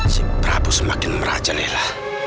si prabu semakin merajalela